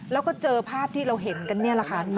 แล้วก็เจอภาพที่เราเห็นกันนี่แหละค่ะ